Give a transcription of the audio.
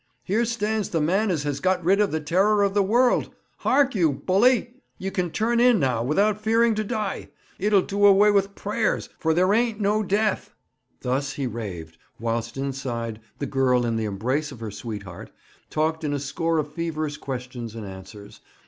Here stands the man as has got rid of the terror of the world. Hark you, bully! Ye can turn in now without fearing to die. It'll do away with prayers, for there ain't no death!' Thus he raved, whilst inside, the girl, in the embrace of her sweetheart, talked in a score of feverish questions and answers.